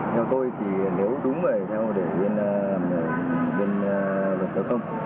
theo tôi thì nếu đúng về theo để biên vật tử không